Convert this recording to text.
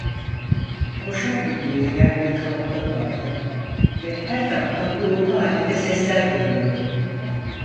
Koşar gibi yürüyen bir kalabalık vardı ve her taraftan uğultu halinde sesler geliyordu.